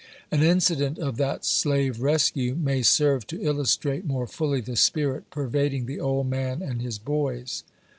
An incident of that slave rescue may serve to illustrate more fully the spirit pervading the old man arid his " boys."